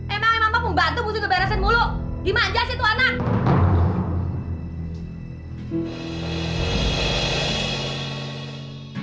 emang emang papa mau bantu butuh beresin mulu gimana aja sih tuh anak